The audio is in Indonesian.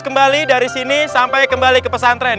kembali dari sini sampai kembali ke pesantren